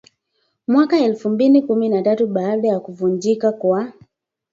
mwaka elfu mbili kumi na tatu baada ya kuvunjika kwa